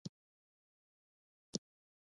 او ویاړلې ده.